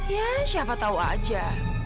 ya siapa tahu aja